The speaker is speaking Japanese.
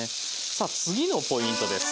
さあ次のポイントです。